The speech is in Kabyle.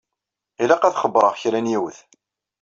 Ilaq ad xebbṛeɣ kra n yiwet.